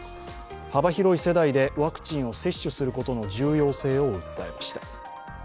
幅広い世代でワクチンを接種することの重要性を訴えました。